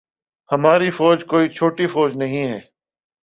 ہماری فوج کوئی چھوٹی فوج نہیں ہے۔